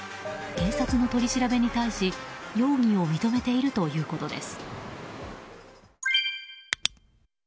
警察の取り調べに対し容疑を認めているということです。